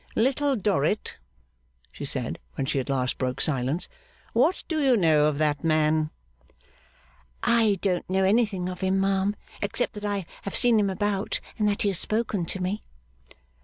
'Little Dorrit,' she said, when she at last broke silence, 'what do you know of that man?' 'I don't know anything of him, ma'am, except that I have seen him about, and that he has spoken to me.